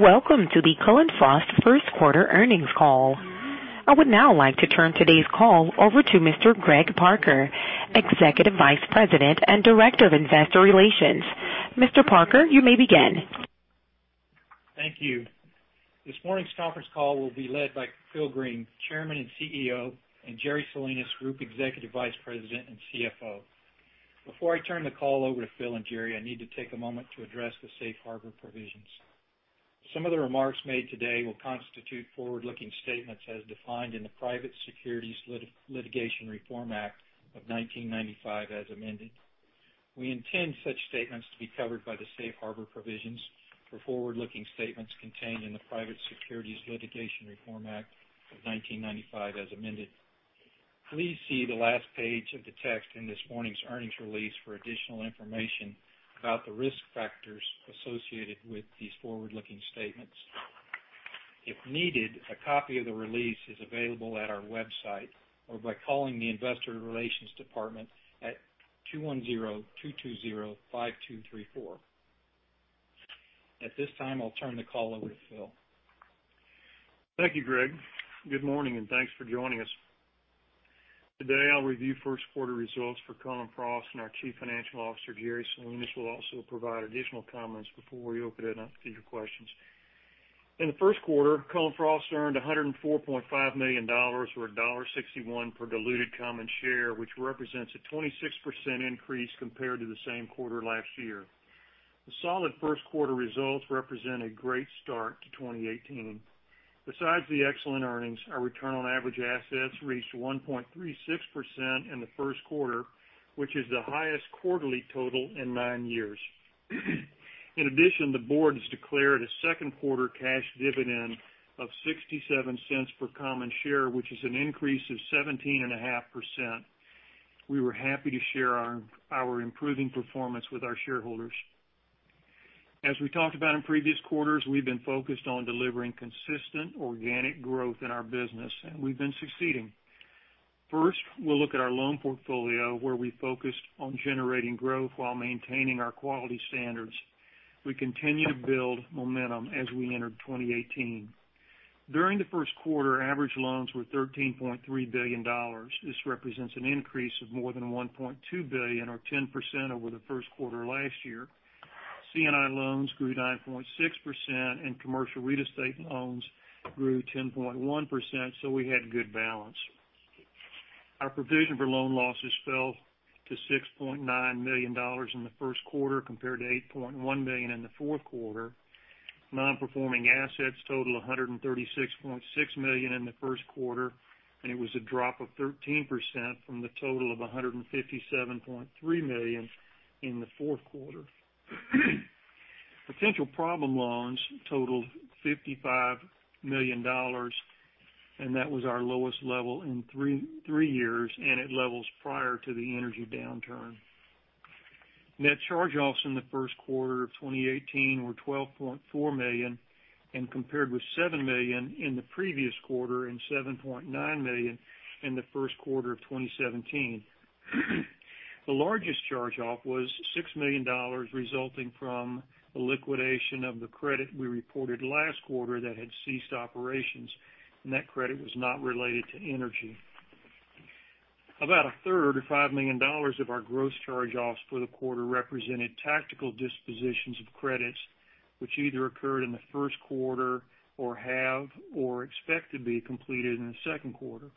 Welcome to the Cullen/Frost first quarter earnings call. I would now like to turn today's call over to Mr. Greg Parker, Executive Vice President and Director of Investor Relations. Mr. Parker, you may begin. Thank you. This morning's conference call will be led by Phil Green, Chairman and CEO, and Jerry Salinas, Group Executive Vice President and CFO. Before I turn the call over to Phil and Jerry, I need to take a moment to address the safe harbor provisions. Some of the remarks made today will constitute forward-looking statements as defined in the Private Securities Litigation Reform Act of 1995, as amended. We intend such statements to be covered by the safe harbor provisions for forward-looking statements contained in the Private Securities Litigation Reform Act of 1995, as amended. Please see the last page of the text in this morning's earnings release for additional information about the risk factors associated with these forward-looking statements. If needed, a copy of the release is available at our website or by calling the investor relations department at 210-220-5234. At this time, I'll turn the call over to Phil. Thank you, Greg. Good morning, thanks for joining us. Today, I'll review first quarter results for Cullen/Frost, and our Chief Financial Officer, Jerry Salinas, will also provide additional comments before we open it up to your questions. In the first quarter, Cullen/Frost earned $104.5 million, or $1.61 per diluted common share, which represents a 26% increase compared to the same quarter last year. The solid first quarter results represent a great start to 2018. Besides the excellent earnings, our return on average assets reached 1.36% in the first quarter, which is the highest quarterly total in nine years. In addition, the board has declared a second quarter cash dividend of $0.67 per common share, which is an increase of 17.5%. We were happy to share our improving performance with our shareholders. As we talked about in previous quarters, we've been focused on delivering consistent organic growth in our business, and we've been succeeding. First, we'll look at our loan portfolio, where we focused on generating growth while maintaining our quality standards. We continue to build momentum as we enter 2018. During the first quarter, average loans were $13.3 billion. This represents an increase of more than $1.2 billion, or 10% over the first quarter last year. C&I loans grew 9.6%, and commercial real estate loans grew 10.1%, so we had good balance. Our provision for loan losses fell to $6.9 million in the first quarter, compared to $8.1 million in the fourth quarter. Non-performing assets total $136.6 million in the first quarter, and it was a drop of 13% from the total of $157.3 million in the fourth quarter. Potential problem loans totaled $55 million, and that was our lowest level in three years, and at levels prior to the energy downturn. Net charge-offs in the first quarter of 2018 were $12.4 million, and compared with $7 million in the previous quarter, and $7.9 million in the first quarter of 2017. The largest charge-off was $6 million, resulting from a liquidation of the credit we reported last quarter that had ceased operations, and that credit was not related to energy. About a third of $5 million of our gross charge-offs for the quarter represented tactical dispositions of credits, which either occurred in the first quarter or have or expect to be completed in the second quarter.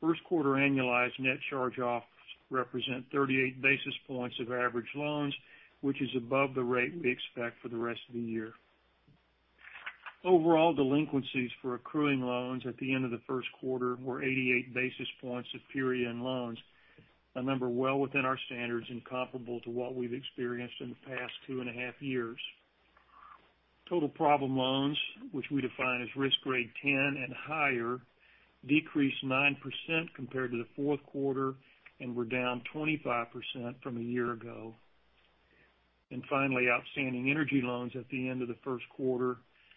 First quarter annualized net charge-offs represent 38 basis points of average loans, which is above the rate we expect for the rest of the year. Overall delinquencies for accruing loans at the end of the first quarter were 88 basis points superior in loans, a number well within our standards and comparable to what we've experienced in the past two and a half years. Total problem loans, which we define as risk grade 10 and higher, decreased 9% compared to the fourth quarter and were down 25% from a year ago. Finally, outstanding energy loans at the end of the first quarter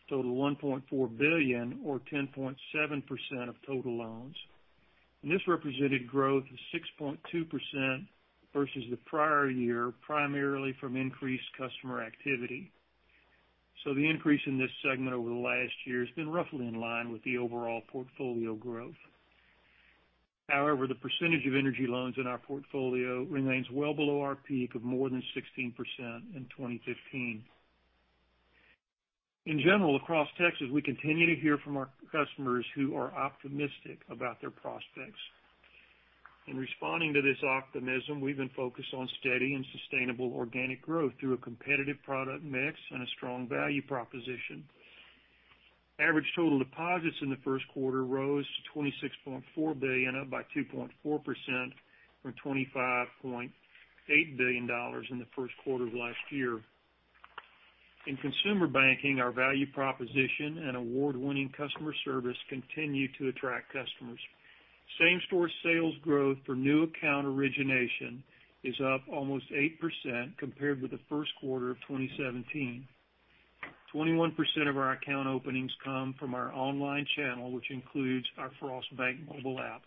total $1.4 billion, or 10.7% of total loans, and this represented growth of 6.2% versus the prior year, primarily from increased customer activity. The increase in this segment over the last year has been roughly in line with the overall portfolio growth. However, the percentage of energy loans in our portfolio remains well below our peak of more than 16% in 2015. In general, across Texas, we continue to hear from our customers who are optimistic about their prospects. In responding to this optimism, we've been focused on steady and sustainable organic growth through a competitive product mix and a strong value proposition. Average total deposits in the first quarter rose to $26.4 billion, up by 2.4% from $25.8 billion in the first quarter of last year. In consumer banking, our value proposition and award-winning customer service continue to attract customers. Same-store sales growth for new account origination is up almost 8% compared with the first quarter of 2017. 21% of our account openings come from our online channel, which includes our Frost Bank mobile app.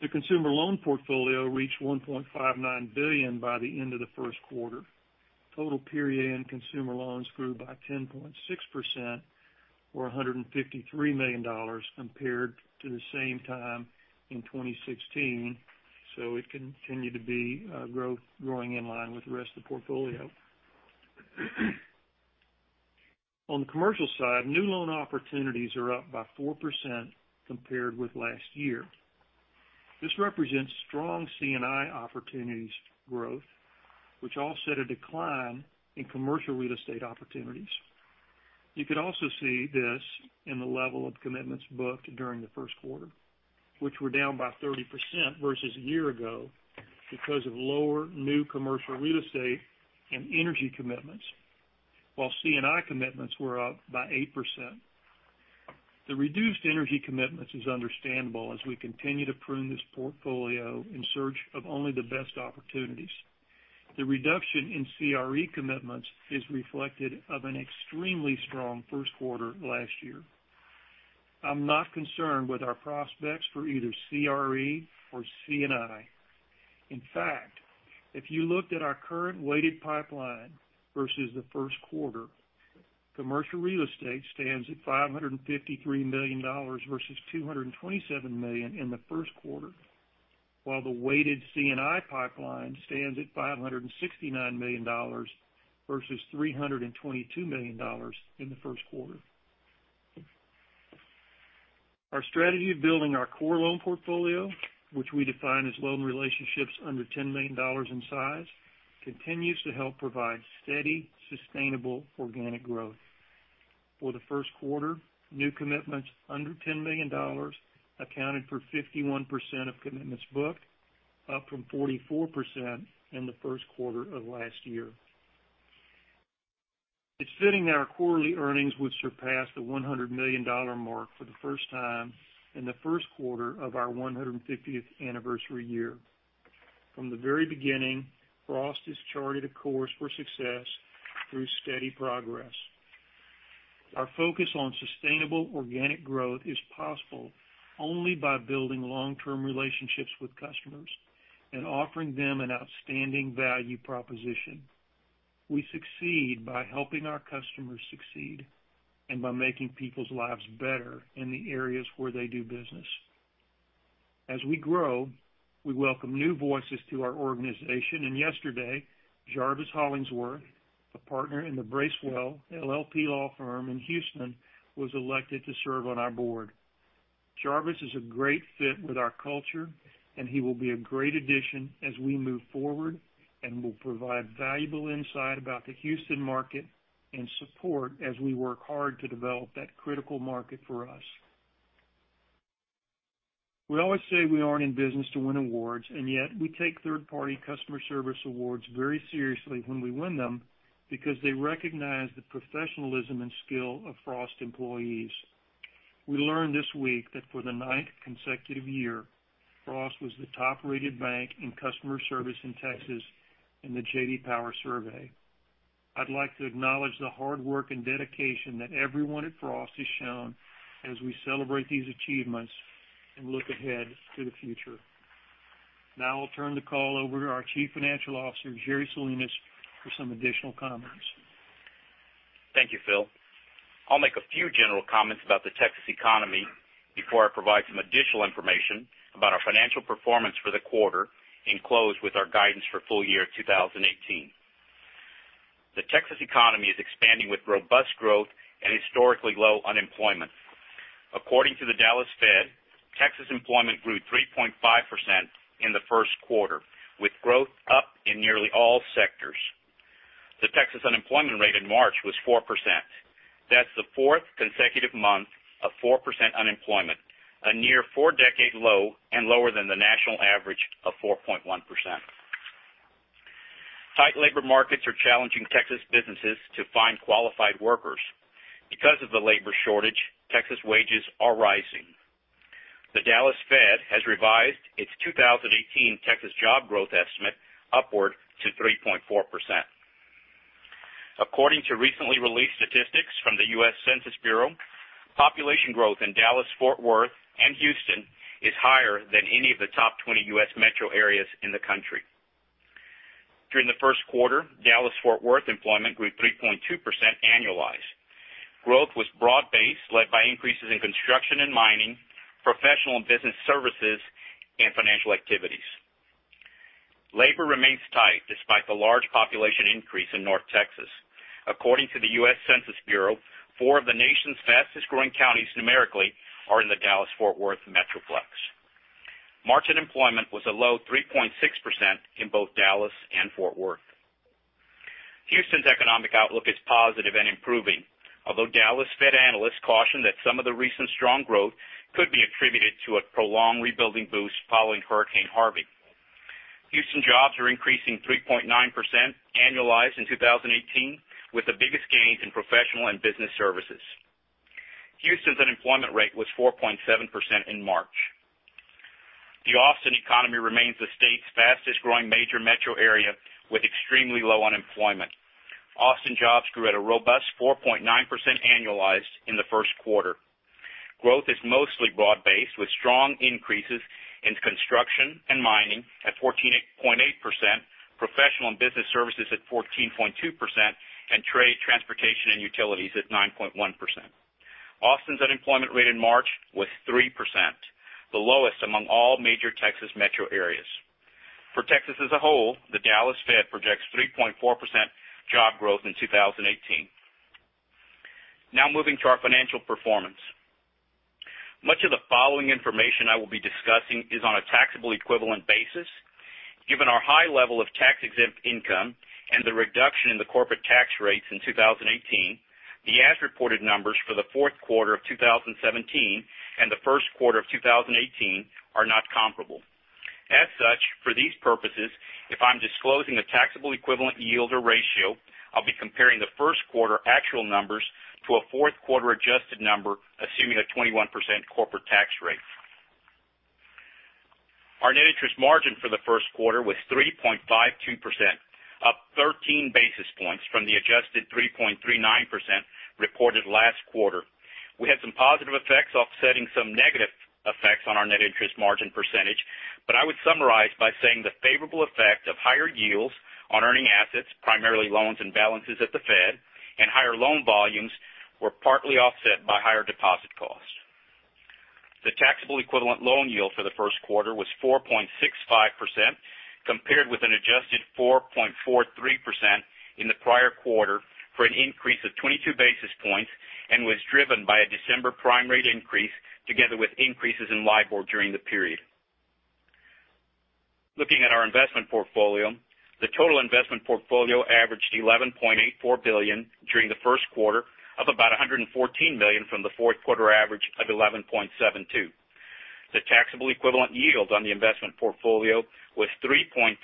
The consumer loan portfolio reached $1.59 billion by the end of the first quarter. Total period end consumer loans grew by 10.6%, or $153 million compared to the same time in 2016. It continued to be growing in line with the rest of the portfolio. On the commercial side, new loan opportunities are up by 4% compared with last year. This represents strong C&I opportunities growth, which offset a decline in commercial real estate opportunities. You could also see this in the level of commitments booked during the first quarter, which were down by 30% versus a year ago because of lower new commercial real estate and energy commitments, while C&I commitments were up by 8%. The reduced energy commitments is understandable as we continue to prune this portfolio in search of only the best opportunities. The reduction in CRE commitments is reflective of an extremely strong first quarter last year. I am not concerned with our prospects for either CRE or C&I. In fact, if you looked at our current weighted pipeline versus the first quarter, commercial real estate stands at $553 million versus $227 million in the first quarter, while the weighted C&I pipeline stands at $569 million versus $322 million in the first quarter. Our strategy of building our core loan portfolio, which we define as loan relationships under $10 million in size, continues to help provide steady, sustainable organic growth. For the first quarter, new commitments under $10 million accounted for 51% of commitments booked, up from 44% in the first quarter of last year. It is fitting that our quarterly earnings would surpass the $100 million mark for the first time in the first quarter of our 150th anniversary year. From the very beginning, Frost has charted a course for success through steady progress. Our focus on sustainable organic growth is possible only by building long-term relationships with customers and offering them an outstanding value proposition. We succeed by helping our customers succeed and by making people's lives better in the areas where they do business. As we grow, we welcome new voices to our organization, and yesterday, Jarvis Hollingsworth, a partner in the Bracewell LLP law firm in Houston, was elected to serve on our board. Jarvis is a great fit with our culture, and he will be a great addition as we move forward and will provide valuable insight about the Houston market and support as we work hard to develop that critical market for us. We always say we are not in business to win awards, and yet we take third-party customer service awards very seriously when we win them because they recognize the professionalism and skill of Frost employees. We learned this week that for the ninth consecutive year, Frost was the top-rated bank in customer service in Texas in the J.D. Power survey. I would like to acknowledge the hard work and dedication that everyone at Frost has shown as we celebrate these achievements and look ahead to the future. Now I will turn the call over to our Chief Financial Officer, Jerry Salinas, for some additional comments. Thank you, Phil. I'll make a few general comments about the Texas economy before I provide some additional information about our financial performance for the quarter and close with our guidance for full year 2018. The Texas economy is expanding with robust growth and historically low unemployment. According to the Dallas Fed, Texas employment grew 3.5% in the first quarter, with growth up in nearly all sectors. The Texas unemployment rate in March was 4%. That's the fourth consecutive month of 4% unemployment, a near four-decade low and lower than the national average of 4.1%. Tight labor markets are challenging Texas businesses to find qualified workers. Because of the labor shortage, Texas wages are rising. The Dallas Fed has revised its 2018 Texas job growth estimate upward to 3.4%. According to recently released statistics from the U.S. Census Bureau, population growth in Dallas-Fort Worth and Houston is higher than any of the top 20 U.S. metro areas in the country. During the first quarter, Dallas-Fort Worth employment grew 3.2% annualized. Growth was broad-based, led by increases in construction and mining, professional and business services, and financial activities. Labor remains tight despite the large population increase in North Texas. According to the U.S. Census Bureau, four of the nation's fastest-growing counties numerically are in the Dallas-Fort Worth metroplex. March unemployment was a low 3.6% in both Dallas and Fort Worth. Houston's economic outlook is positive and improving, although Dallas Fed analysts caution that some of the recent strong growth could be attributed to a prolonged rebuilding boost following Hurricane Harvey. Houston jobs are increasing 3.9% annualized in 2018, with the biggest gains in professional and business services. Houston's unemployment rate was 4.7% in March. The Austin economy remains the state's fastest-growing major metro area with extremely low unemployment. Austin jobs grew at a robust 4.9% annualized in the first quarter. Growth is mostly broad-based, with strong increases in construction and mining at 14.8%, professional and business services at 14.2%, and trade, transportation, and utilities at 9.1%. Austin's unemployment rate in March was 3%, the lowest among all major Texas metro areas. For Texas as a whole, the Dallas Fed projects 3.4% job growth in 2018. Moving to our financial performance. Much of the following information I will be discussing is on a taxable equivalent basis. Given our high level of tax-exempt income and the reduction in the corporate tax rates in 2018, the as-reported numbers for the fourth quarter of 2017 and the first quarter of 2018 are not comparable. For these purposes, if I'm disclosing a taxable equivalent yield or ratio, I'll be comparing the first quarter actual numbers to a fourth quarter adjusted number, assuming a 21% corporate tax rate. Our net interest margin for the first quarter was 3.52%, up 13 basis points from the adjusted 3.39% reported last quarter. I would summarize by saying the favorable effect of higher yields on earning assets, primarily loans and balances at the Fed, and higher loan volumes were partly offset by higher deposit costs. The taxable equivalent loan yield for the first quarter was 4.65%, compared with an adjusted 4.43% in the prior quarter for an increase of 22 basis points and was driven by a December prime rate increase, together with increases in LIBOR during the period. Looking at our investment portfolio, the total investment portfolio averaged $11.84 billion during the first quarter, up about $114 million from the fourth quarter average of $11.72. The taxable equivalent yield on the investment portfolio was 3.36%,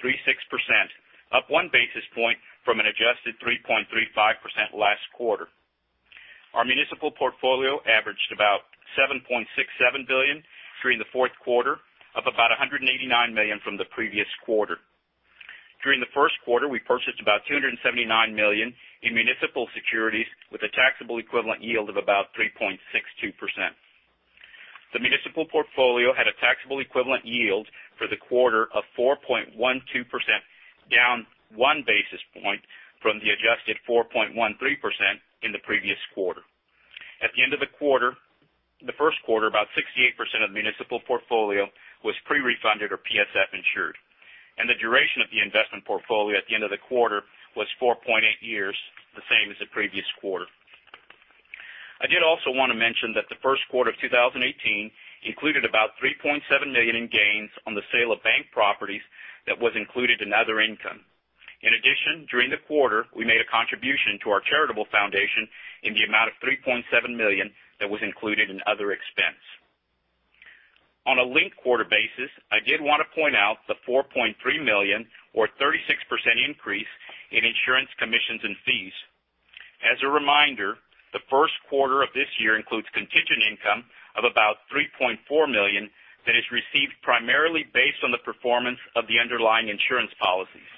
up one basis point from an adjusted 3.35% last quarter. Our municipal portfolio averaged about $7.67 billion during the fourth quarter, up about $189 million from the previous quarter. During the first quarter, we purchased about $279 million in municipal securities with a taxable equivalent yield of about 3.62%. The municipal portfolio had a taxable equivalent yield for the quarter of 4.12%, down one basis point from the adjusted 4.13% in the previous quarter. At the end of the quarter, the first quarter, about 68% of the municipal portfolio was pre-refunded or PSF insured. The duration of the investment portfolio at the end of the quarter was 4.8 years, the same as the previous quarter. I did also want to mention that the first quarter of 2018 included about $3.7 million in gains on the sale of bank properties that was included in other income. In addition, during the quarter, we made a contribution to our charitable foundation in the amount of $3.7 million that was included in other expense. On a linked-quarter basis, I did want to point out the $4.3 million or 36% increase in insurance commissions and fees. As a reminder, the first quarter of this year includes contingent income of about $3.4 million that is received primarily based on the performance of the underlying insurance policies.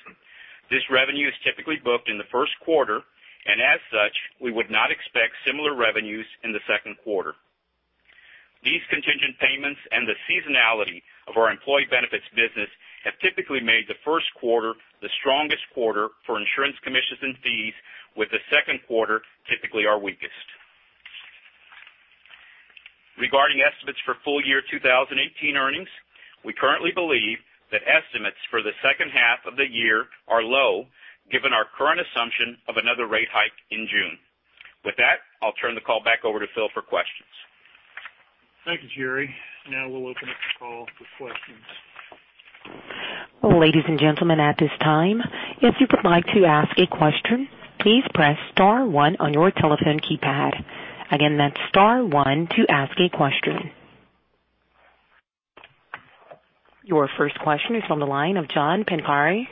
This revenue is typically booked in the first quarter. As such, we would not expect similar revenues in the second quarter. These contingent payments and the seasonality of our employee benefits business have typically made the first quarter the strongest quarter for insurance commissions and fees, with the second quarter typically our weakest. Regarding estimates for full year 2018 earnings, we currently believe that estimates for the second half of the year are low given our current assumption of another rate hike in June. With that, I'll turn the call back over to Phil for questions. Thank you, Jerry. Now we'll open up the call for questions. Ladies and gentlemen, at this time, if you would like to ask a question, please press *1 on your telephone keypad. Again, that's *1 to ask a question. Your first question is on the line of Jon Arfstrom.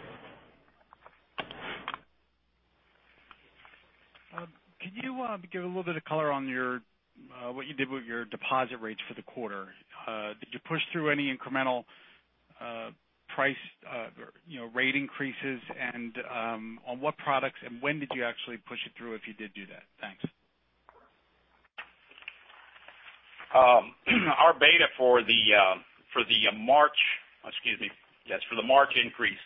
Can you give a little bit of color on what you did with your deposit rates for the quarter? Did you push through any incremental price rate increases, and on what products and when did you actually push it through if you did do that? Thanks. Our beta for the March increase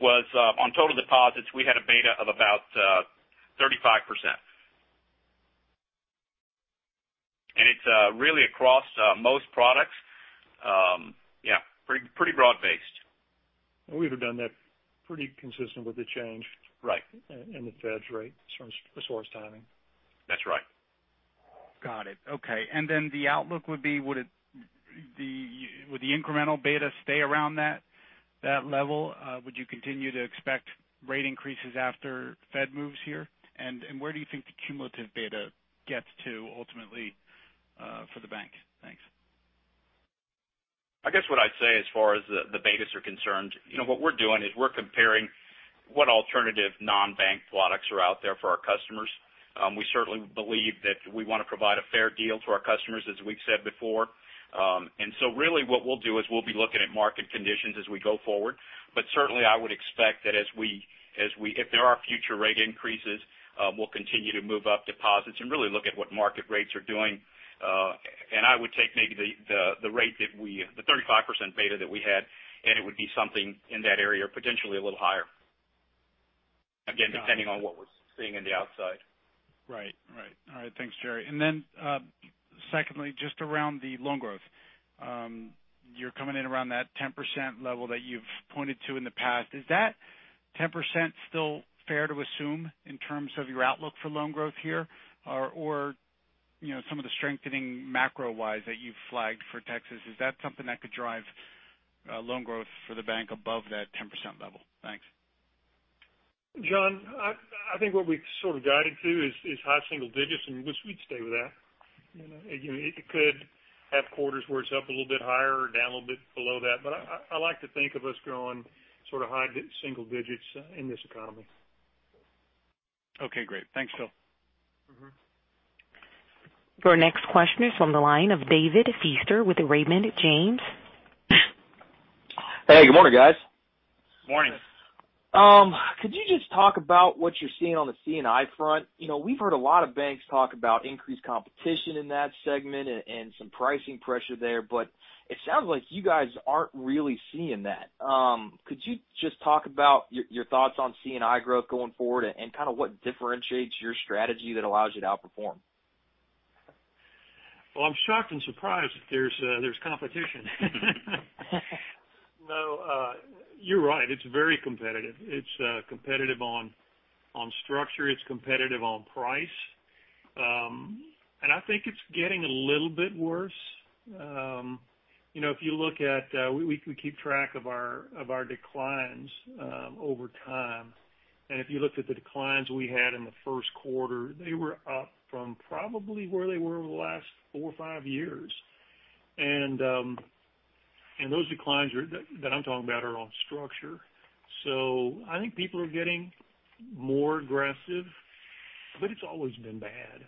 was, on total deposits, we had a beta of about 35%. It's really across most products. Yeah, pretty broad-based. We would've done that pretty consistent with the change Right in the Fed's rate as far as timing. That's right. Got it. Okay. Then the outlook would be, would the incremental beta stay around that level? Would you continue to expect rate increases after Fed moves here? Where do you think the cumulative beta gets to ultimately for the bank? Thanks. I guess what I'd say as far as the betas are concerned, what we're doing is we're comparing what alternative non-bank products are out there for our customers. We certainly believe that we want to provide a fair deal to our customers, as we've said before. Really what we'll do is we'll be looking at market conditions as we go forward. Certainly I would expect that if there are future rate increases, we'll continue to move up deposits and really look at what market rates are doing. I would take maybe the 35% beta that we had, and it would be something in that area, potentially a little higher. Again, depending on what we're seeing in the outside. Right. All right. Thanks, Jerry. Secondly, just around the loan growth. You're coming in around that 10% level that you've pointed to in the past. Is that 10% still fair to assume in terms of your outlook for loan growth here? Some of the strengthening macro-wise that you've flagged for Texas, is that something that could drive loan growth for the bank above that 10% level? Thanks. Jon, I think what we've sort of guided to is high single digits, we'd stay with that. It could have quarters where it's up a little bit higher or down a little bit below that, I like to think of us growing sort of high single digits in this economy. Okay, great. Thanks, Phil. Your next question is on the line of David Feaster with Raymond James. Hey, good morning, guys. Morning. Could you just talk about what you're seeing on the C&I front? We've heard a lot of banks talk about increased competition in that segment and some pricing pressure there, but it sounds like you guys aren't really seeing that. Could you just talk about your thoughts on C&I growth going forward and kind of what differentiates your strategy that allows you to outperform? Well, I'm shocked and surprised that there's competition. No, you're right. It's very competitive. It's competitive on structure, it's competitive on price. I think it's getting a little bit worse. We keep track of our declines over time. If you looked at the declines we had in the first quarter, they were up from probably where they were over the last four or five years. Those declines that I'm talking about are on structure. I think people are getting more aggressive, but it's always been bad.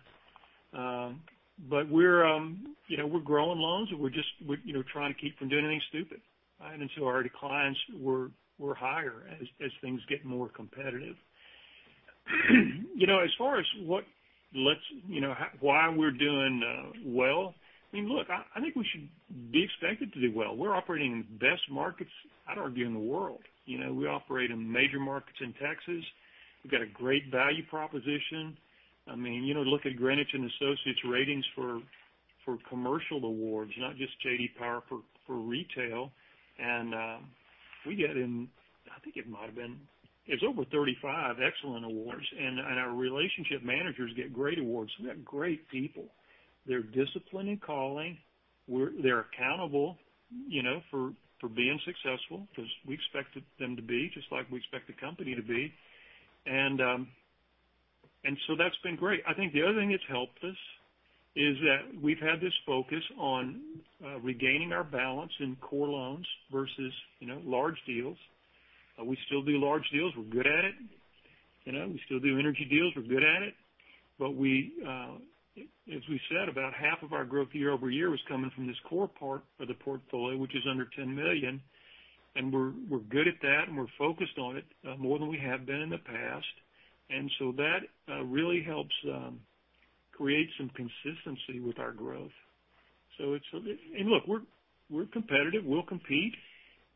We're growing loans, and we're trying to keep from doing anything stupid. Our declines were higher as things get more competitive. As far as why we're doing well, look, I think we should be expected to do well. We're operating in the best markets, I'd argue, in the world. We operate in major markets in Texas. We've got a great value proposition. Look at Greenwich Associates ratings for commercial awards, not just J.D. Power for retail. We get, I think it might've been, it's over 35 excellent awards, and our relationship managers get great awards. We've got great people. They're disciplined in calling. They're accountable for being successful because we expect them to be, just like we expect the company to be. That's been great. I think the other thing that's helped us is that we've had this focus on regaining our balance in core loans versus large deals. We still do large deals. We're good at it. We still do energy deals. We're good at it. As we said, about half of our growth year-over-year was coming from this core part of the portfolio, which is under $10 million. We're good at that, and we're focused on it more than we have been in the past. That really helps create some consistency with our growth. Look, we're competitive. We'll compete.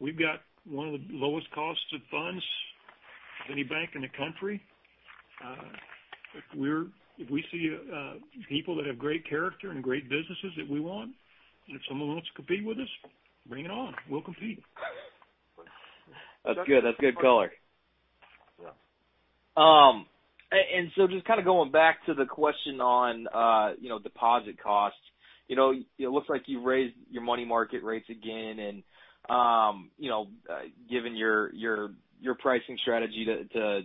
We've got one of the lowest costs of funds of any bank in the country. If we see people that have great character and great businesses that we want, and if someone wants to compete with us, bring it on. We'll compete. That's good color. Yeah. Just kind of going back to the question on deposit costs. It looks like you've raised your money market rates again, and given your pricing strategy to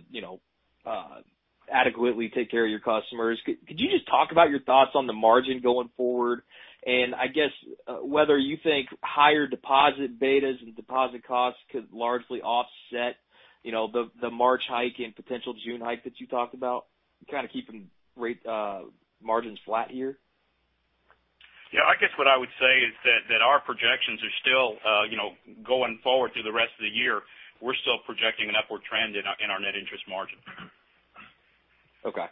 adequately take care of your customers, could you just talk about your thoughts on the margin going forward? I guess whether you think higher deposit betas and deposit costs could largely offset the March hike and potential June hike that you talked about in kind of keeping margins flat here? Yeah, I guess what I would say is that our projections are still going forward through the rest of the year. We're still projecting an upward trend in our net interest margin. Okay.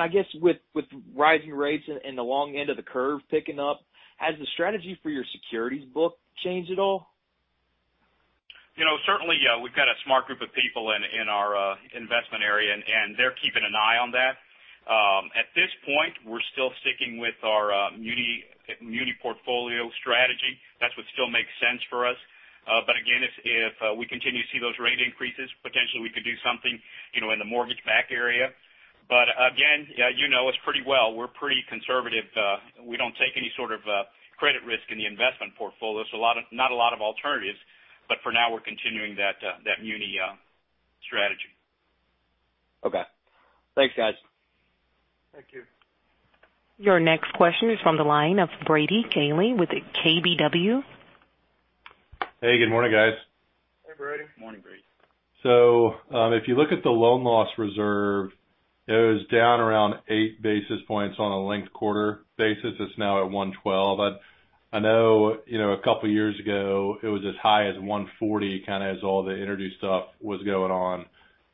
I guess with rising rates and the long end of the curve picking up, has the strategy for your securities book changed at all? Certainly, we've got a smart group of people in our investment area, they're keeping an eye on that. At this point, we're still sticking with our muni portfolio strategy. That's what still makes sense for us. Again, if we continue to see those rate increases, potentially we could do something in the mortgage-backed area. Again, you know us pretty well. We're pretty conservative. We don't take any sort of credit risk in the investment portfolio, not a lot of alternatives. For now, we're continuing that muni strategy. Okay. Thanks, guys. Thank you. Your next question is from the line of Brady Gailey with KBW. Hey, good morning, guys. Hey, Brady. Morning, Brady. If you look at the loan loss reserve, it was down around eight basis points on a linked quarter basis. It's now at 112. I know a couple years ago it was as high as 140 as all the energy stuff was going on.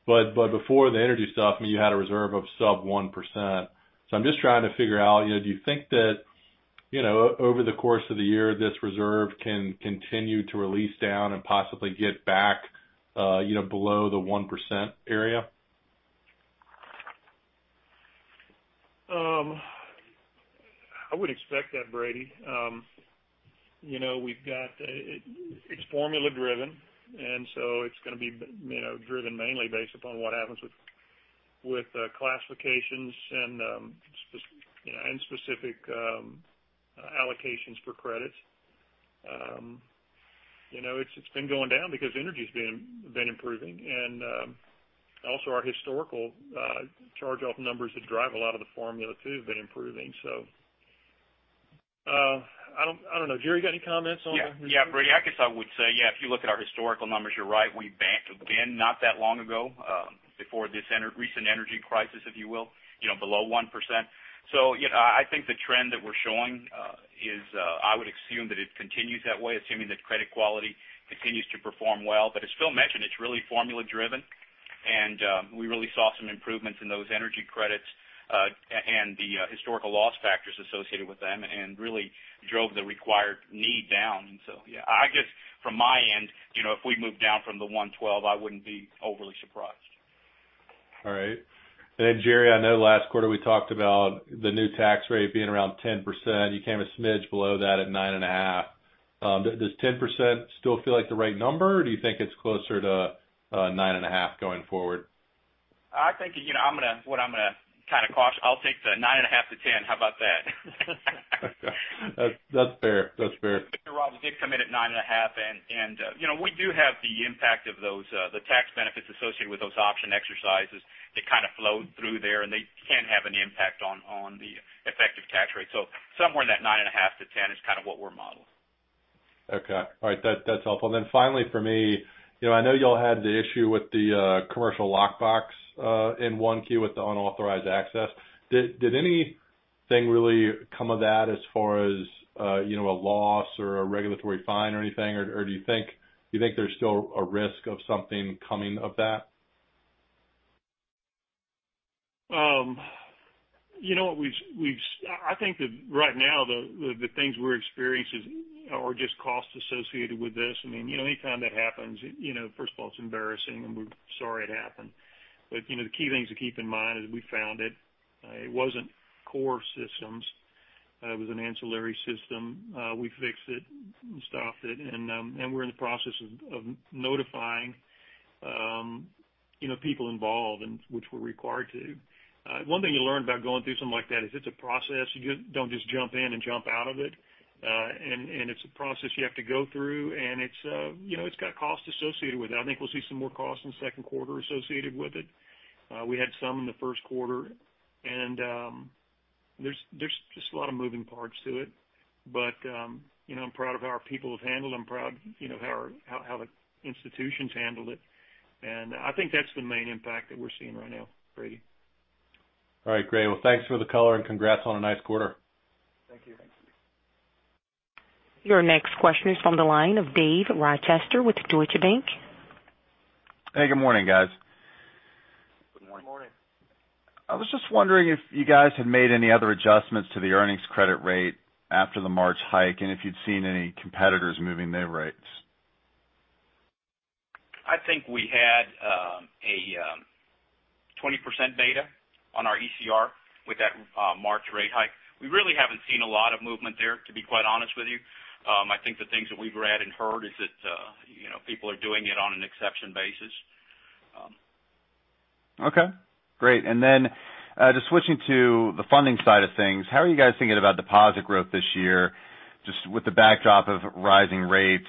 Before the energy stuff, you had a reserve of sub 1%. I'm just trying to figure out, do you think that over the course of the year this reserve can continue to release down and possibly get back below the 1% area? I would expect that, Brady. It's formula driven, and so it's going to be driven mainly based upon what happens with classifications and specific allocations for credits. It's been going down because energy's been improving, and also our historical charge-off numbers that drive a lot of the formula too have been improving. I don't know. Jerry, got any comments on that? Brady, I guess I would say, if you look at our historical numbers, you're right. We banked again not that long ago, before this recent energy crisis, if you will, below 1%. I think the trend that we're showing is, I would assume that it continues that way, assuming that credit quality continues to perform well. As Phil mentioned, it's really formula driven, and we really saw some improvements in those energy credits, and the historical loss factors associated with them, and really drove the required need down. I guess from my end, if we move down from the 112, I wouldn't be overly surprised. Jerry, I know last quarter we talked about the new tax rate being around 10%. You came a smidge below that at 9.5%. Does 10% still feel like the right number, or do you think it's closer to 9.5% going forward? I'll take the 9.5 to 10. How about that? That's fair. [Rob], we did come in at 9.5, we do have the impact of the tax benefits associated with those option exercises that kind of flowed through there, they can have an impact on the effective tax rate. Somewhere in that 9.5 to 10 is kind of what we're modeling. Okay. All right. That's helpful. Then finally for me, I know y'all had the issue with the commercial lockbox in 1Q with the unauthorized access. Did anything really come of that as far as a loss or a regulatory fine or anything, or do you think there's still a risk of something coming of that? I think that right now the things we're experiencing are just costs associated with this. Anytime that happens, first of all, it's embarrassing, and we're sorry it happened. The key things to keep in mind is we found it. It wasn't core systems. It was an ancillary system. We fixed it, stopped it, and we're in the process of notifying people involved, and which we're required to. One thing you learn about going through something like that is it's a process. You don't just jump in and jump out of it. It's a process you have to go through, and it's got cost associated with it. I think we'll see some more costs in the second quarter associated with it. We had some in the first quarter, and there's just a lot of moving parts to it. I'm proud of how our people have handled it. I'm proud of how the institution's handled it. I think that's the main impact that we're seeing right now, Brady. All right, great. Well, thanks for the color. Congrats on a nice quarter. Thank you. Thanks. Your next question is from the line of Dave Rochester with Deutsche Bank. Hey, good morning, guys. Good morning. Good morning. I was just wondering if you guys had made any other adjustments to the earnings credit rate after the March hike, and if you'd seen any competitors moving their rates. I think we had a 20% beta on our ECR with that March rate hike. We really haven't seen a lot of movement there, to be quite honest with you. I think the things that we've read and heard is that people are doing it on an exception basis. Okay, great. Then just switching to the funding side of things, how are you guys thinking about deposit growth this year? Just with the backdrop of rising rates,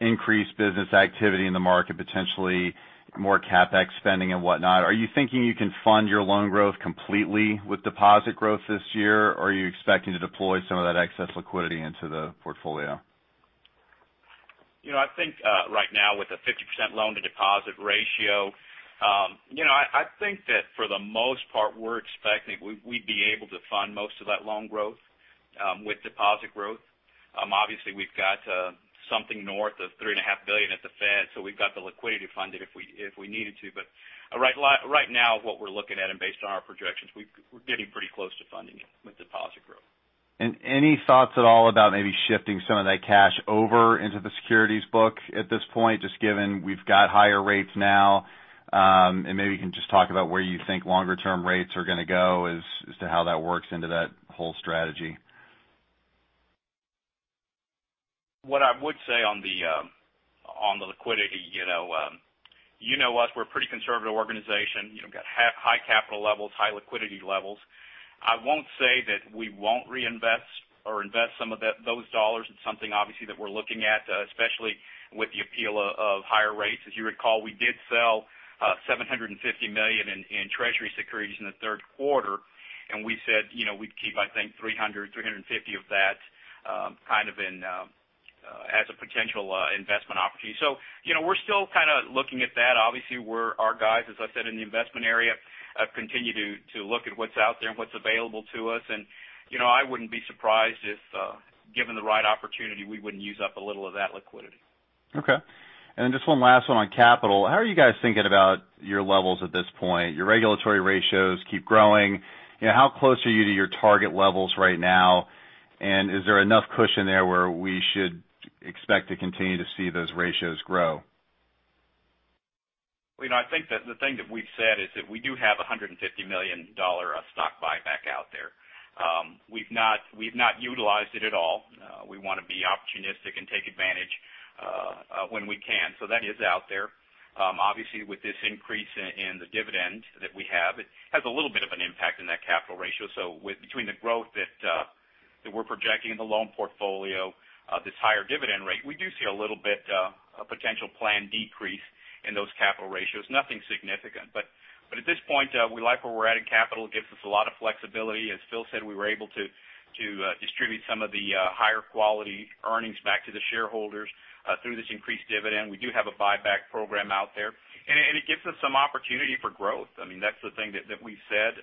increased business activity in the market, potentially more CapEx spending and whatnot. Are you thinking you can fund your loan growth completely with deposit growth this year, or are you expecting to deploy some of that excess liquidity into the portfolio? I think right now, with a 50% loan to deposit ratio, I think that for the most part, we're expecting we'd be able to fund most of that loan growth with deposit growth. Obviously, we've got something north of three and a half billion at the Fed, we've got the liquidity to fund it if we needed to. Right now, what we're looking at, and based on our projections, we're getting pretty close to funding it with deposit growth. Any thoughts at all about maybe shifting some of that cash over into the securities book at this point, just given we've got higher rates now? Maybe you can just talk about where you think longer term rates are going to go as to how that works into that whole strategy. What I would say on the liquidity, you know us, we're a pretty conservative organization. We've got high capital levels, high liquidity levels. I won't say that we won't reinvest or invest some of those dollars. It's something obviously that we're looking at, especially with the appeal of higher rates. As you recall, we did sell $750 million in Treasury securities in the third quarter. We said we'd keep, I think, $300, $350 of that kind of as a potential investment opportunity. We're still looking at that. Obviously, our guys, as I said, in the investment area, continue to look at what's out there and what's available to us. I wouldn't be surprised if, given the right opportunity, we wouldn't use up a little of that liquidity. Okay. Just one last one on capital. How are you guys thinking about your levels at this point? Your regulatory ratios keep growing. How close are you to your target levels right now? Is there enough cushion there where we should expect to continue to see those ratios grow? I think that the thing that we've said is that we do have $150 million of stock buyback out there. We've not utilized it at all. We want to be opportunistic and take advantage when we can. That is out there. Obviously, with this increase in the dividend that we have, it has a little bit of an impact in that capital ratio. Between the growth that we're projecting in the loan portfolio, this higher dividend rate, we do see a little bit of potential planned decrease in those capital ratios. Nothing significant, but at this point, we like where we're at in capital. It gives us a lot of flexibility. As Phil said, we were able to distribute some of the higher quality earnings back to the shareholders through this increased dividend. We do have a buyback program out there. It gives us some opportunity for growth. That's the thing that we've said.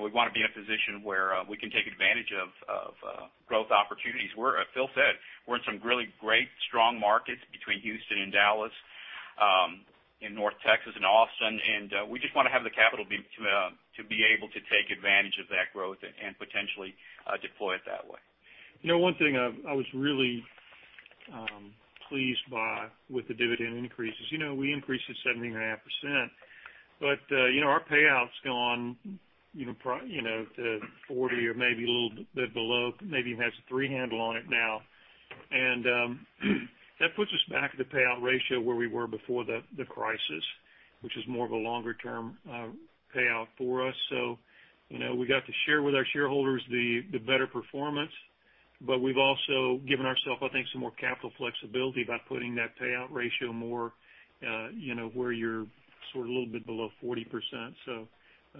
We want to be in a position where we can take advantage of growth opportunities. As Phil said, we're in some really great, strong markets between Houston and Dallas, in North Texas, and Austin. We just want to have the capital to be able to take advantage of that growth and potentially deploy it that way. One thing I was really pleased by with the dividend increase is we increased it 17.5%, but our payout's gone to 40% or maybe a little bit below, maybe even has a three handle on it now. That puts us back at the payout ratio where we were before the crisis, which is more of a longer-term payout for us. We got to share with our shareholders the better performance, but we've also given ourselves, I think, some more capital flexibility by putting that payout ratio more where you're sort of a little bit below 40%.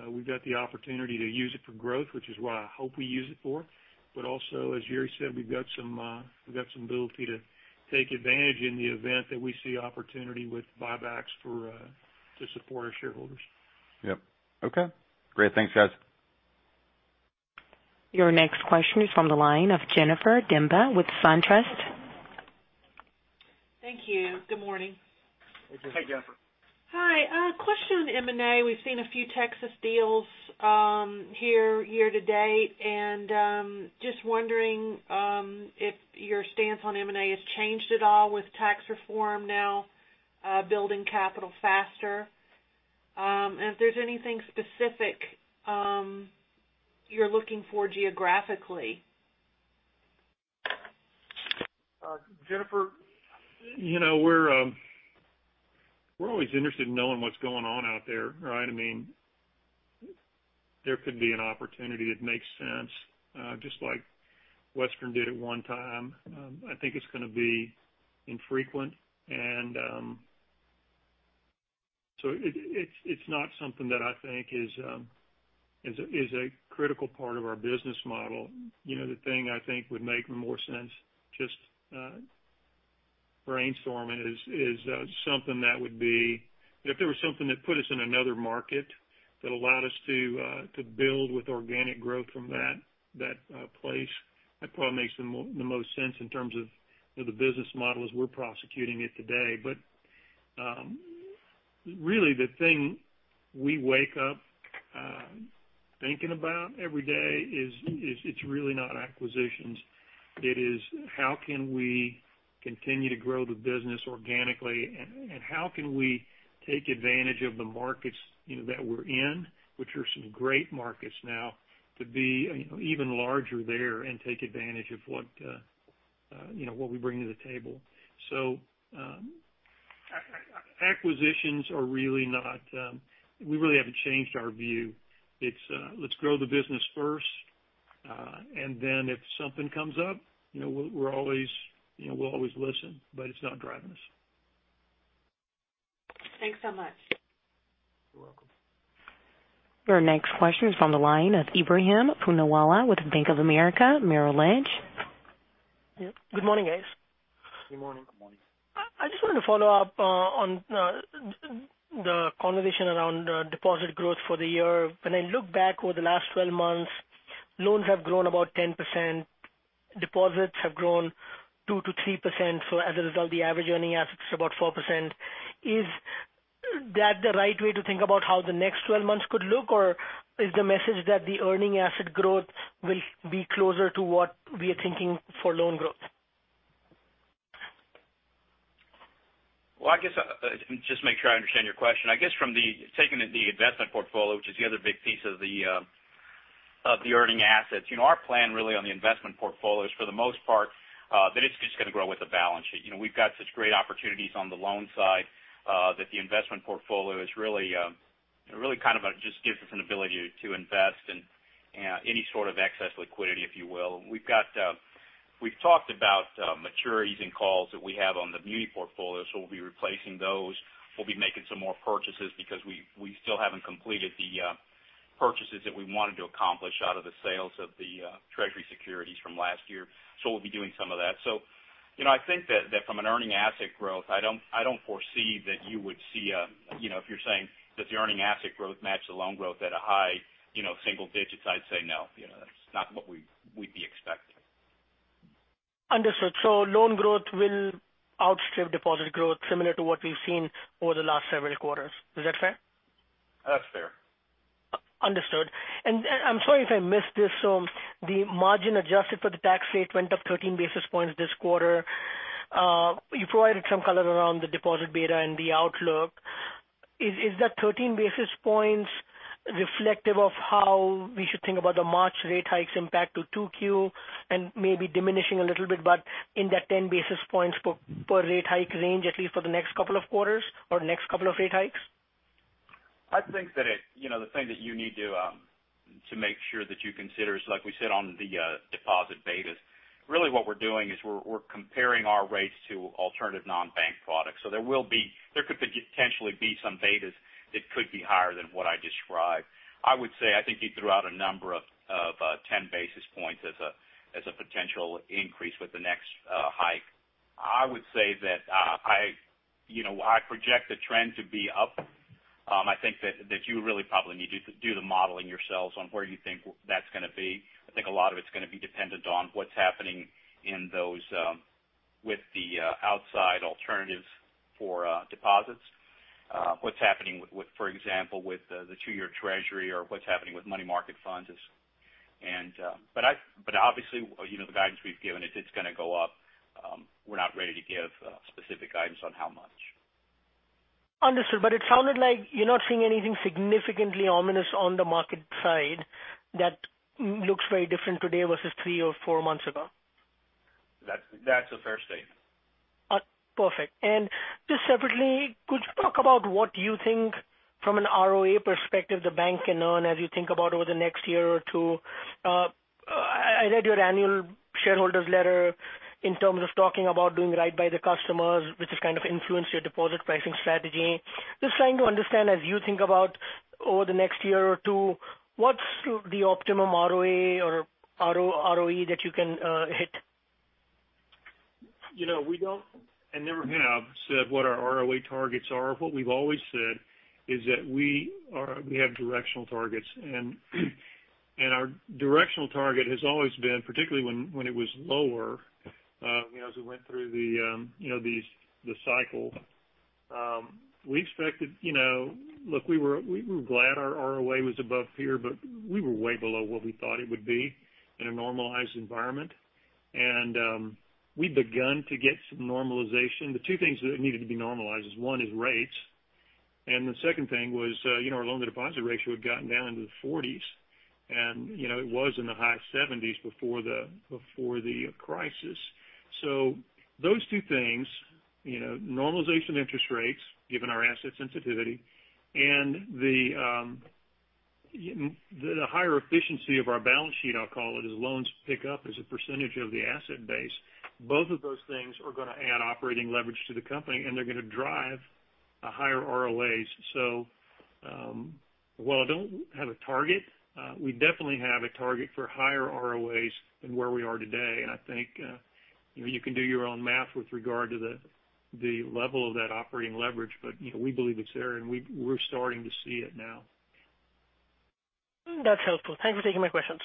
We've got the opportunity to use it for growth, which is what I hope we use it for. Also, as Jerry said, we've got some ability to take advantage in the event that we see opportunity with buybacks to support our shareholders. Yep. Okay, great. Thanks, guys. Your next question is from the line of Jennifer Demba with SunTrust. Thank you. Good morning. Hey, Jennifer. Hey, Jennifer. Hi. A question on M&A. We've seen a few Texas deals here year to date. Just wondering if your stance on M&A has changed at all with tax reform now building capital faster, and if there's anything specific you're looking for geographically. Jennifer, we're always interested in knowing what's going on out there, right? There could be an opportunity that makes sense just like Western did at one time. I think it's going to be infrequent, it's not something that I think is a critical part of our business model. The thing I think would make more sense, just brainstorming, is if there was something that put us in another market that allowed us to build with organic growth from that place, that probably makes the most sense in terms of the business model as we're prosecuting it today. Really, the thing we wake up thinking about every day is it's really not acquisitions. It is how can we continue to grow the business organically, and how can we take advantage of the markets that we're in, which are some great markets now, to be even larger there and take advantage of what we bring to the table. Acquisitions, we really haven't changed our view. It's let's grow the business first, and then if something comes up, we'll always listen, but it's not driving us. Thanks so much. You're welcome. Your next question is from the line of Ebrahim Poonawala with Bank of America Merrill Lynch. Yep. Good morning, guys. Good morning. Good morning. I just wanted to follow up on the conversation around deposit growth for the year. When I look back over the last 12 months, loans have grown about 10%, deposits have grown 2%-3%, so as a result, the average earning assets is about 4%. Is that the right way to think about how the next 12 months could look, or is the message that the earning asset growth will be closer to what we are thinking for loan growth? Well, just to make sure I understand your question, I guess from taking the investment portfolio, which is the other big piece of the earning assets, our plan really on the investment portfolio is for the most part that it's just going to grow with the balance sheet. We've got such great opportunities on the loan side that the investment portfolio really kind of just gives us an ability to invest in any sort of excess liquidity, if you will. We've talked about maturities and calls that we have on the muni portfolio, so we'll be replacing those. We'll be making some more purchases because we still haven't completed the Purchases that we wanted to accomplish out of the sales of the treasury securities from last year. We'll be doing some of that. I think that from an earning asset growth, I don't foresee that you would see. If you're saying does the earning asset growth match the loan growth at a high single digits, I'd say no. That's not what we'd be expecting. Understood. Loan growth will outstrip deposit growth similar to what we've seen over the last several quarters. Is that fair? That's fair. Understood. I'm sorry if I missed this. The margin adjusted for the tax rate went up 13 basis points this quarter. You provided some color around the deposit beta and the outlook. Is that 13 basis points reflective of how we should think about the March rate hikes impact to 2Q and maybe diminishing a little bit, but in that 10 basis points per rate hike range, at least for the next couple of quarters or next couple of rate hikes? I think that the thing that you need to make sure that you consider is, like we said, on the deposit betas, really what we're doing is we're comparing our rates to alternative non-bank products. There could potentially be some betas that could be higher than what I described. I would say, I think you threw out a number of 10 basis points as a potential increase with the next hike. I would say that I project the trend to be up. I think that you really probably need to do the modeling yourselves on where you think that's going to be. I think a lot of it's going to be dependent on what's happening with the outside alternatives for deposits. What's happening with, for example, the two-year treasury or what's happening with money market funds. Obviously, the guidance we've given, it's going to go up. We're not ready to give specific guidance on how much. Understood. It sounded like you're not seeing anything significantly ominous on the market side that looks very different today versus three or four months ago. That's a fair statement. Perfect. Just separately, could you talk about what you think from an ROA perspective the bank can earn as you think about over the next year or two? I read your annual shareholders letter in terms of talking about doing right by the customers, which has kind of influenced your deposit pricing strategy. Just trying to understand as you think about over the next year or two, what's the optimum ROA or ROE that you can hit? We don't, and never have, said what our ROA targets are. What we've always said is that we have directional targets, and our directional target has always been, particularly when it was lower, as we went through the cycle, we expected. Look, we were glad our ROA was above peer, but we were way below what we thought it would be in a normalized environment. We'd begun to get some normalization. The two things that needed to be normalized is, one is rates, and the second thing was our loan-to-deposit ratio had gotten down into the forties, and it was in the high seventies before the crisis. Those two things, normalization of interest rates, given our asset sensitivity, and the higher efficiency of our balance sheet, I'll call it, as loans pick up as a percentage of the asset base. Both of those things are going to add operating leverage to the company, and they're going to drive higher ROAs. While I don't have a target, we definitely have a target for higher ROAs than where we are today, and I think you can do your own math with regard to the level of that operating leverage. We believe it's there, and we're starting to see it now. That's helpful. Thanks for taking my questions.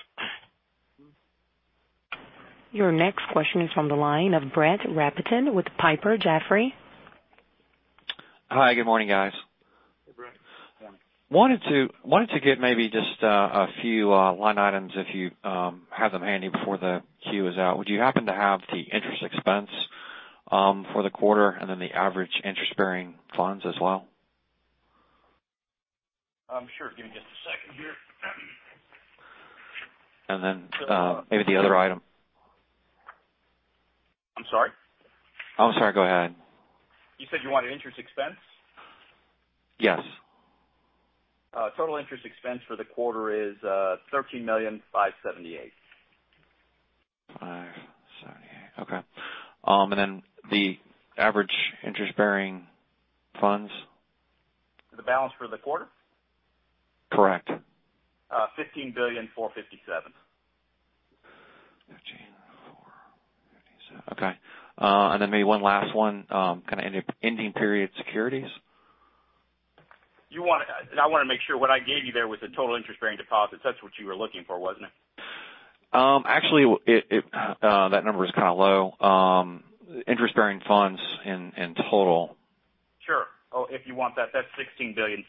Your next question is from the line of Brett Rabatin with Piper Jaffray. Hi, good morning, guys. Hey, Brett. Morning. Wanted to get maybe just a few line items if you have them handy before the Q is out. Would you happen to have the interest expense for the quarter and then the average interest-bearing funds as well? Sure. Give me just a second here. Maybe the other item. I'm sorry? Oh, sorry. Go ahead. You said you wanted interest expense? Yes. Total interest expense for the quarter is $13,578,000. $578. Okay. Then the average interest-bearing funds? The balance for the quarter? Correct. $15,457,000,000. Okay. Then maybe one last one. Ending period securities? I want to make sure what I gave you there was the total interest-bearing deposits. That's what you were looking for, wasn't it? Actually, that number is kind of low. Interest-bearing funds in total. Sure. If you want that's $16,742,000,000.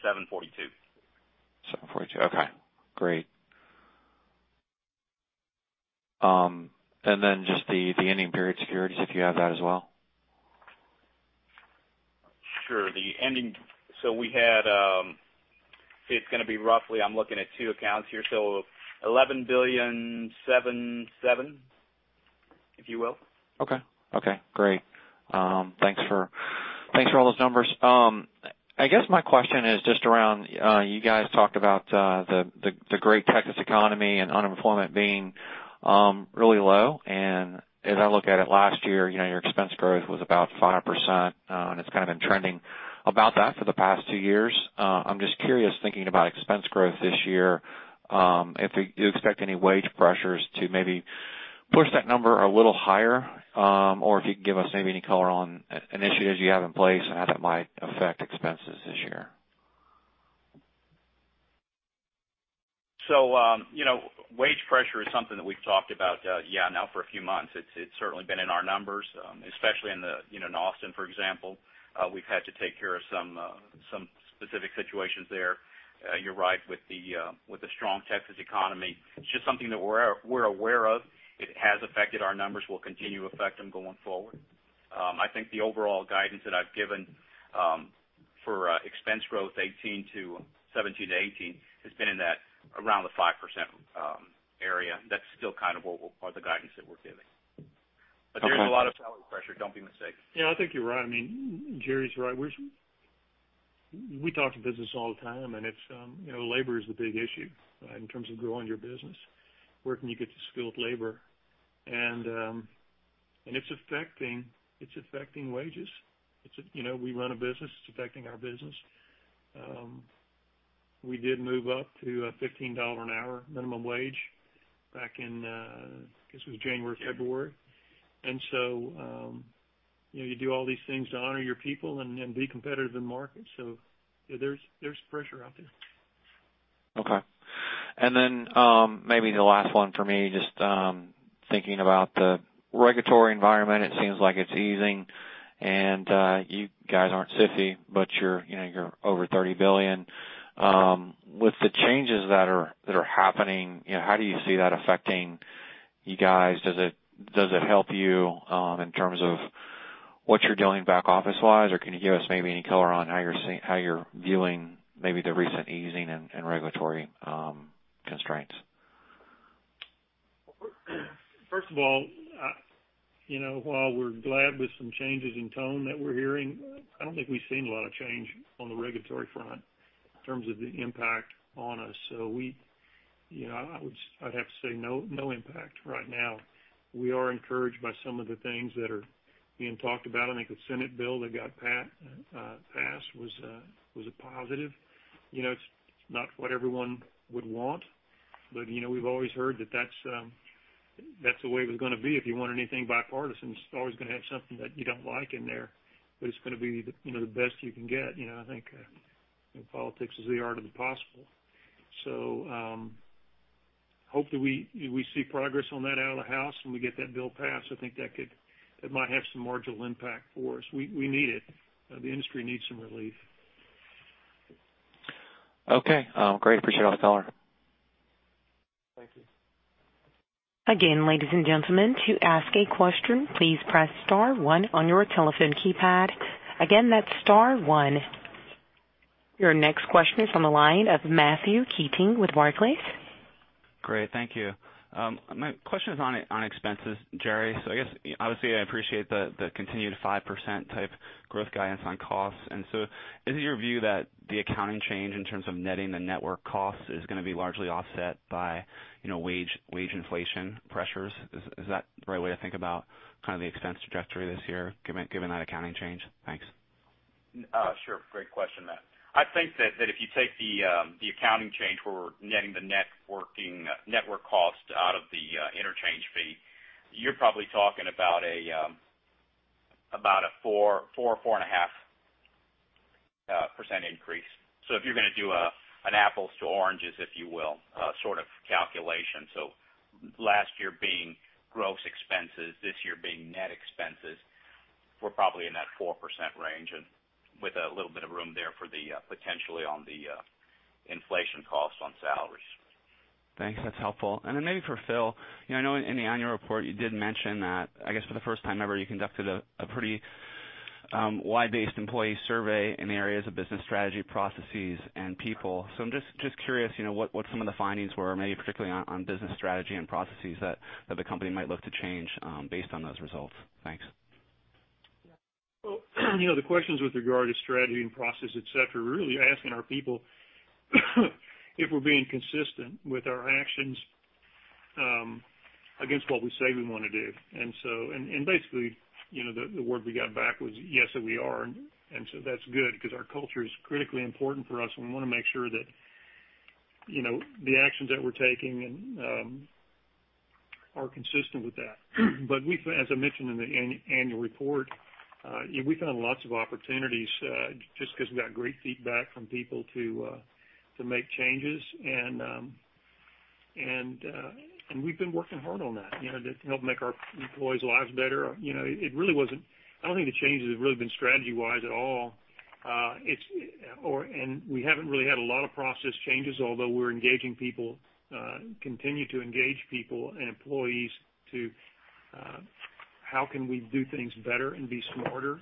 Seven forty-two. Okay, great. Then just the ending period securities, if you have that as well. Sure. It's going to be roughly, I'm looking at two accounts here, so $11,000,707,000, if you will. Okay. Great. Thanks for all those numbers. I guess my question is just around, you guys talked about the great Texas economy and unemployment being really low. As I look at it last year, your expense growth was about 5%, and it's kind of been trending about that for the past two years. I'm just curious, thinking about expense growth this year, if you expect any wage pressures to maybe push that number a little higher? If you could give us maybe any color on initiatives you have in place and how that might affect expenses this year. Wage pressure is something that we've talked about now for a few months. It's certainly been in our numbers, especially in Austin, for example. We've had to take care of some specific situations there. You're right with the strong Texas economy. It's just something that we're aware of. It has affected our numbers, will continue to affect them going forward. I think the overall guidance that I've given for expense growth 2018 to 2017 to 2018 has been in that around the 5% area. That's still kind of the guidance that we're giving. There's a lot of salary pressure, don't be mistaken. Yeah, I think you're right. Jerry's right. We talk to business all the time, labor is the big issue in terms of growing your business. Where can you get the skilled labor? It's affecting wages. We run a business. It's affecting our business. We did move up to a $15 an hour minimum wage back in, I guess it was January, February. You do all these things to honor your people and be competitive in the market. There's pressure out there. Okay. Maybe the last one for me, just thinking about the regulatory environment, it seems like it's easing, you guys aren't SIFI, but you're over $30 billion. With the changes that are happening, how do you see that affecting you guys? Does it help you in terms of what you're doing back office wise, can you give us maybe any color on how you're viewing maybe the recent easing in regulatory constraints? First of all, while we're glad with some changes in tone that we're hearing, I don't think we've seen a lot of change on the regulatory front in terms of the impact on us. I'd have to say no impact right now. We are encouraged by some of the things that are being talked about. I think the Senate bill that got passed was a positive. It's not what everyone would want, but we've always heard that that's the way it was going to be. If you want anything bipartisan, it's always going to have something that you don't like in there, but it's going to be the best you can get. I think politics is the art of the possible. Hope that we see progress on that out of the House, and we get that bill passed. I think that might have some marginal impact for us. We need it. The industry needs some relief. Okay. Great. Appreciate all the color. Thank you. Again, ladies and gentlemen, to ask a question, please press star one on your telephone keypad. Again, that's star one. Your next question is on the line of Matthew Keating with Barclays. Great. Thank you. My question is on expenses, Jerry. I guess, obviously, I appreciate the continued 5% type growth guidance on costs. Is it your view that the accounting change in terms of netting the network cost is going to be largely offset by wage inflation pressures? Is that the right way to think about the expense trajectory this year, given that accounting change? Thanks. Sure. Great question, Matt. I think that if you take the accounting change where we're netting the network cost out of the interchange fee, you're probably talking about a 4% or 4.5% increase. If you're going to do an apples to oranges, if you will, sort of calculation. Last year being gross expenses, this year being net expenses, we're probably in that 4% range and with a little bit of room there for the potentially on the inflation cost on salaries. Thanks. That's helpful. Maybe for Phil, I know in the annual report you did mention that, I guess for the first time ever, you conducted a pretty wide-based employee survey in the areas of business strategy, processes, and people. I'm just curious, what some of the findings were, maybe particularly on business strategy and processes that the company might look to change based on those results. Thanks. Well, the questions with regard to strategy and process, et cetera, we're really asking our people if we're being consistent with our actions against what we say we want to do. Basically, the word we got back was, yes, that we are. So that's good because our culture is critically important for us, and we want to make sure that the actions that we're taking are consistent with that. As I mentioned in the annual report, we found lots of opportunities just because we got great feedback from people to make changes. We've been working hard on that to help make our employees' lives better. I don't think the changes have really been strategy-wise at all. We haven't really had a lot of process changes, although we're engaging people, continue to engage people and employees to how can we do things better and be smarter.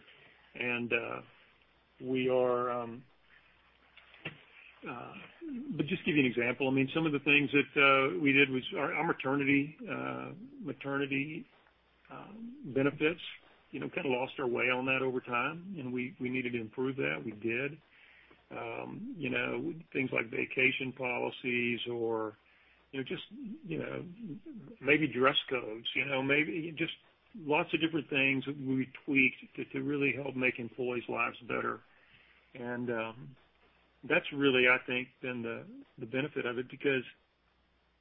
Just give you an example. Some of the things that we did was our maternity benefits. Kind of lost our way on that over time, and we needed to improve that. We did. Things like vacation policies or just maybe dress codes. Just lots of different things that we tweaked to really help make employees' lives better, and that's really, I think, been the benefit of it because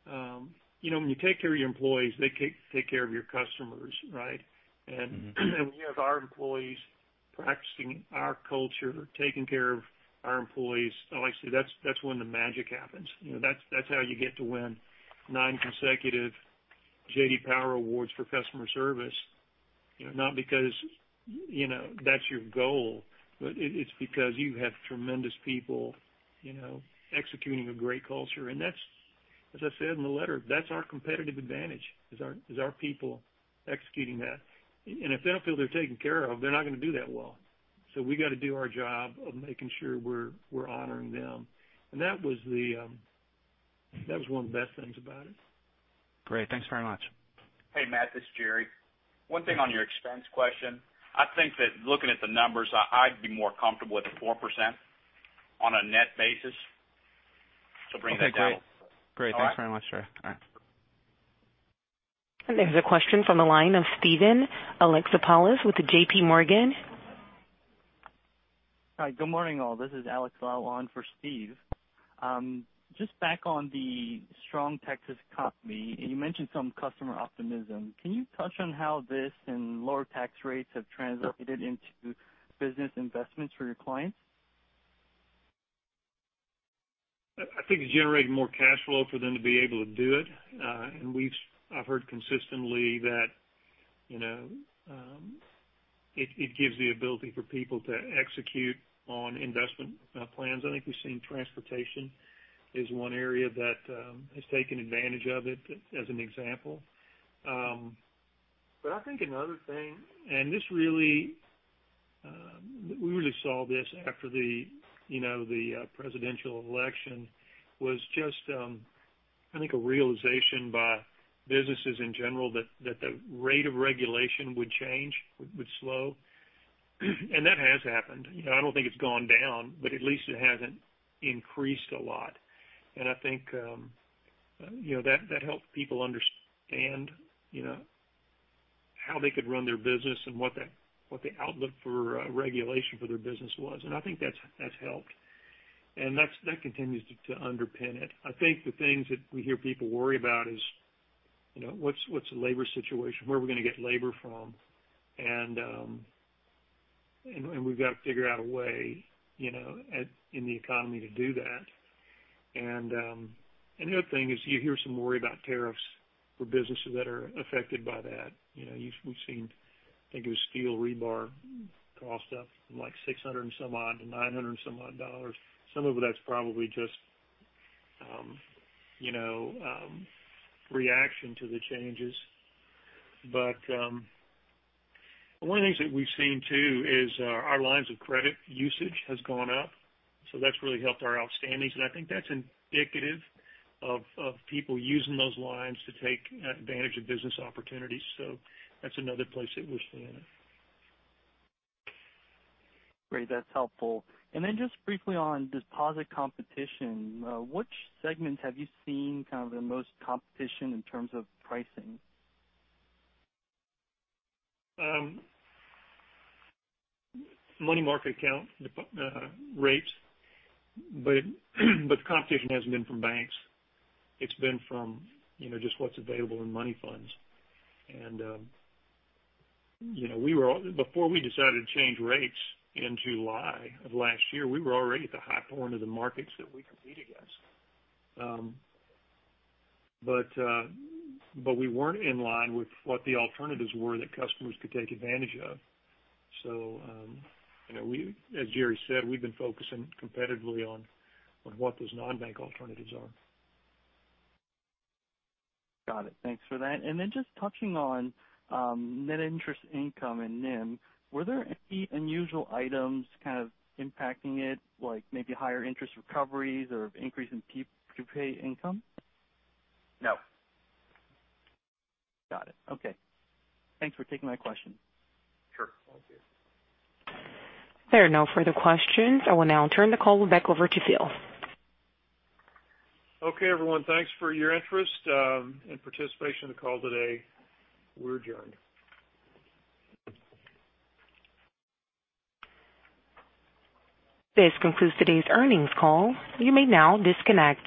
when you take care of your employees, they take care of your customers, right? When you have our employees practicing our culture, taking care of our employees, honestly, that's when the magic happens. That's how you get to win nine consecutive J.D. Power Awards for customer service. Not because that's your goal, but it's because you have tremendous people executing a great culture. As I said in the letter, that's our competitive advantage, is our people executing that. If they don't feel they're taken care of, they're not going to do that well. We got to do our job of making sure we're honoring them. That was one of the best things about it. Great. Thanks very much. Hey, Matt, this is Jerry. One thing on your expense question. I think that looking at the numbers, I'd be more comfortable with the 4% on a net basis to bring that down. Okay, great. Great. All right. Thanks very much, Jerry. All right. There's a question from the line of Steven Alexopoulos with JPMorgan. Hi, good morning, all. This is Alex filling in for Steve. Back on the strong Texas economy, you mentioned some customer optimism. Can you touch on how this and lower tax rates have translated into business investments for your clients? I think it's generating more cash flow for them to be able to do it. I've heard consistently that it gives the ability for people to execute on investment plans. I think we've seen transportation is one area that has taken advantage of it, as an example. I think another thing, and we really saw this after the presidential election, was just, I think, a realization by businesses in general that the rate of regulation would change, would slow. That has happened. I don't think it's gone down, but at least it hasn't increased a lot. I think that helped people understand how they could run their business and what the outlook for regulation for their business was. I think that's helped. That continues to underpin it. I think the things that we hear people worry about is, what's the labor situation? Where are we going to get labor from? We've got to figure out a way in the economy to do that. The other thing is you hear some worry about tariffs for businesses that are affected by that. We've seen, I think it was steel rebar cost up from like $600 and some odd to $900 and some odd. Some of that's probably just reaction to the changes. One of the things that we've seen, too, is our lines of credit usage has gone up. That's really helped our outstandings, and I think that's indicative of people using those lines to take advantage of business opportunities. That's another place that we're seeing it. Great. That's helpful. Just briefly on deposit competition, which segments have you seen kind of the most competition in terms of pricing? Money market account rates, the competition hasn't been from banks. It's been from just what's available in money funds. Before we decided to change rates in July of last year, we were already at the high point of the markets that we compete against. We weren't in line with what the alternatives were that customers could take advantage of. As Jerry said, we've been focusing competitively on what those non-bank alternatives are. Got it. Thanks for that. Just touching on net interest income and NIM, were there any unusual items kind of impacting it, like maybe higher interest recoveries or increase in fee income? No. Got it. Okay. Thanks for taking my question. Sure. Thank you. There are no further questions. I will now turn the call back over to Phil. Okay, everyone. Thanks for your interest and participation in the call today. We're adjourned. This concludes today's earnings call. You may now disconnect.